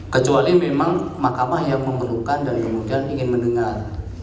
kecuali memang mahkamah yang memerlukan dan kemudian ingin mendengar